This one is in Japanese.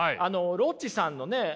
ロッチさんのねコント